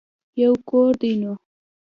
يو کور دی نو.